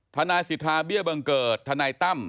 ทนายสิทธาเบี้ยบังเกิดทนายตั้ม